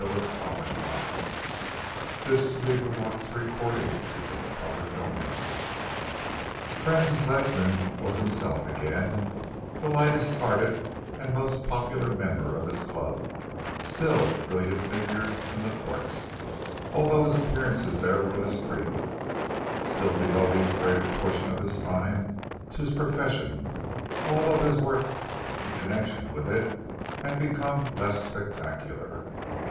Come on, Sharpe." Francis strolled thoughtfully homewards. CHAPTER XVI Francis Ledsam was himself again, the lightest hearted and most popular member of his club, still a brilliant figure in the courts, although his appearances there were less frequent, still devoting the greater portion of his time, to his profession, although his work in connection with it had become less spectacular.